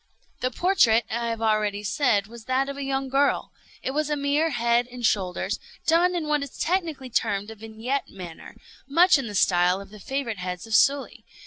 The portrait, I have already said, was that of a young girl. It was a mere head and shoulders, done in what is technically termed a vignette manner; much in the style of the favorite heads of Sully.